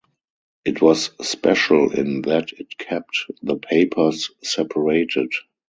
It was special in that it kept the papers separated.